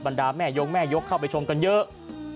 ดาแม่ยกแม่ยกเข้าไปชมกันเยอะ